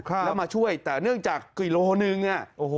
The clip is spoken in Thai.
แล้วมาช่วยแต่เนื่องจากกิโลนึงอ่ะโอ้โห